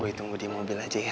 boy tunggu di mobil aja ya